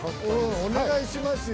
お願いしますよ。